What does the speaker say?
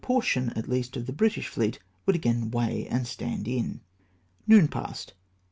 385 portion, at least, of the British fleet would again weigh and stand in. Noon passed.